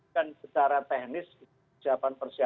kan secara teknis